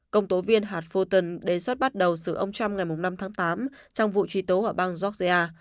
công tố viên hạt foton đề xuất bắt đầu xử ông trump ngày năm tháng tám trong vụ truy tố ở bang georgia